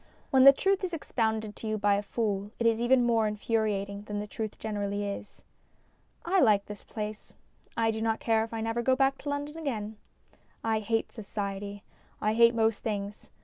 When the truth is ex pounded to you by a fool it is even more infuriating than the truth generally is. I like this place. I do not care if I never go back to London again. I hate Society ; I hate most things.